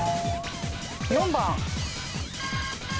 ４番。